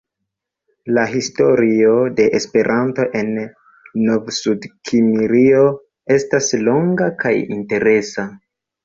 La historio de Esperanto en Novsudkimrio estas longa kaj interesa.